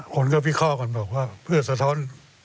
คนก็วิเคราะห์กันบอกว่าเพื่อสะท้อน